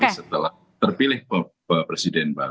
tapi setelah terpilih presiden